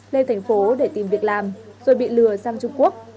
lên thành phố để tìm việc làm rồi bị lừa sang trung quốc